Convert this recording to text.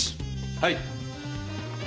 はい。